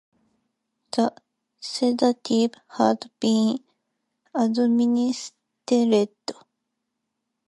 The sedative had been administered.